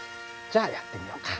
じゃあやってみようか。